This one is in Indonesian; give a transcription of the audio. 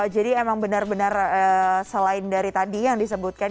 jadi emang benar benar selain dari tadi yang disebutkan